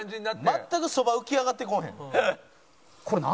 全くそば浮き上がってこうへん。